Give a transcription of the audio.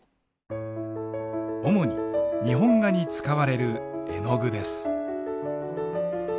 主に日本画に使われる絵の具です。